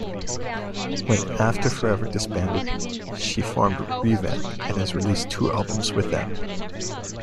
When After Forever disbanded, she formed ReVamp and has released two albums with them.